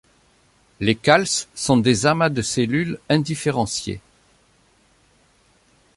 Les cals sont des amas de cellules indifférenciées.